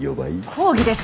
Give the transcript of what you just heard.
抗議です！